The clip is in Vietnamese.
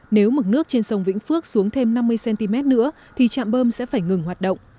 nếu mực nước trên sông vĩnh phước xuống thêm năm mươi cm nữa thì trạm bơm sẽ phải ngừng hoạt động